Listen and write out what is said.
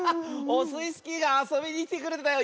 オスイスキーがあそびにきてくれたよ！